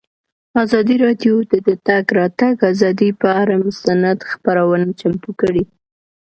ازادي راډیو د د تګ راتګ ازادي پر اړه مستند خپرونه چمتو کړې.